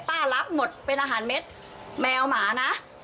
รับหมดเป็นอาหารเม็ดแมวหมานะ